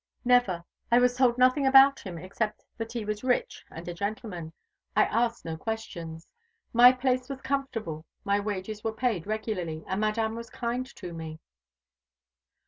"Never. I was told nothing about him except that he was rich and a gentleman. I asked no questions. My place was comfortable, my wages were paid regularly, and Madame was kind to me."